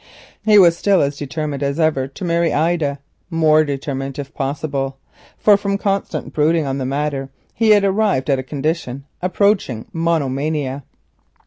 He was still as determined as ever to marry Ida, more determined if possible, for from constant brooding on the matter he had arrived at a condition approaching monomania.